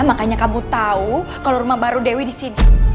makanya kamu tau kalo rumah baru dewi disini